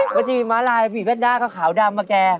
ก็จะมีหมาลายหมีแพนด้าก็ขาวดำอะแก